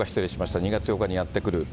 ２月８日にやって来る。